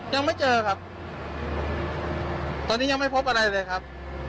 ยังไม่เจอครับตอนนี้ยังไม่พบอะไรเลยครับ